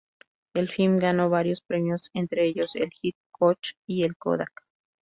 El film ganó varios premios, entre ellos el Hitchcock y el Kodak.